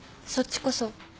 そっちこそ。